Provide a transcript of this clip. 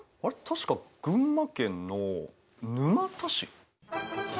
確か群馬県の沼田市？